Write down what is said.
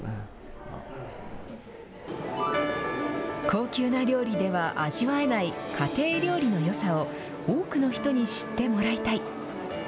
高級な料理では味わえない家庭料理のよさを、多くの人に知ってもらいたい。